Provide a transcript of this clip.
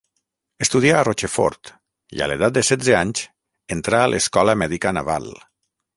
Estudià a Rochefort, i a l'edat de setze anys, entrà a l'Escola Mèdica Naval.